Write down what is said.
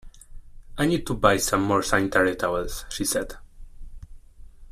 I need to buy some more sanitary towels, she said